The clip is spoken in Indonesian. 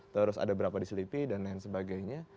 terus ada berapa di selipi dan lain sebagainya